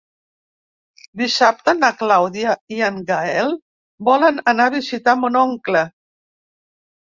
Dissabte na Clàudia i en Gaël volen anar a visitar mon oncle.